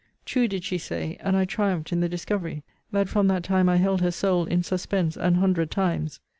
True did she say, and I triumphed in the discovery, that from that time I held her soul in suspense an hundred times.